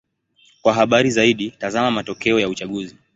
Kwa habari zaidi: tazama matokeo ya uchaguzi.